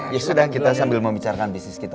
ya sudah kita sambil membicarakan bisnis kita